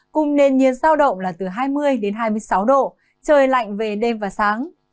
cùng nền nhiệt giao động là từ hai mươi đến hai mươi sáu độ trời lạnh về đêm và sáng